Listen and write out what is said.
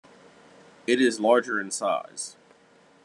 It is larger in size.